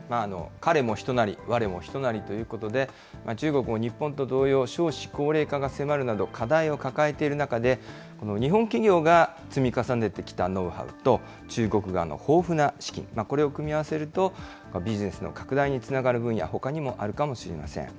彼も人なりわれも人なりということで、中国も日本と同様、少子高齢化が迫るなど、課題を抱えている中で、この日本企業が積み重ねてきたノウハウと、中国側の豊富な資金、これを組み合わせると、ビジネスの拡大につながる分野、ほかにもあるかもしれません。